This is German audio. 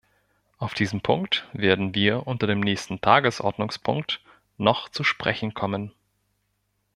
Auf diesen Punkt werden wir unter dem nächsten Tagesordnungspunkt noch zu sprechen kommen.